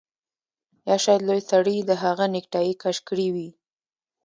یا شاید لوی سړي د هغه نیکټايي کش کړې وي